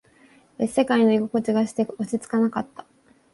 別世界の居心地がして、落ち着かなかった。